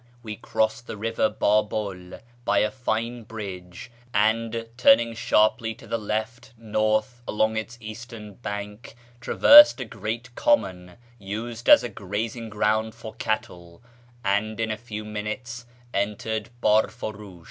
we crossed the river Babul by a fine bridge, and, turning sharply to the left (north) along its eastern bank, traversed a great common, used as a graziug sround for cattle, and in a few minutes entered Barfurush.